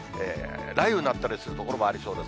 雷雨になったりする所もありそうです。